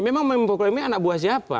memang mempokulkan ini anak buah siapa